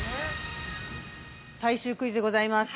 ◆最終クイズでございます。